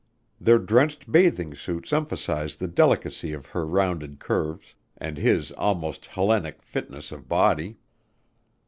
Their drenched bathing suits emphasized the delicacy of her rounded curves, and his almost Hellenic fitness of body.